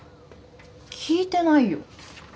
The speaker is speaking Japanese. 聞いてないよ。